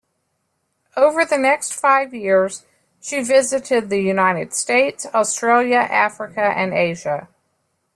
Over the next five years she visited the United States, Australia, Africa, and Asia.